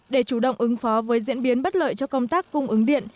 để chủ động ứng phó với diễn biến bất lợi cho công tác cung ứng điện